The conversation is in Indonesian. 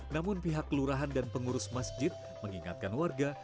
namun pihak kelurahan dan pengurus masjid mengingatkan warga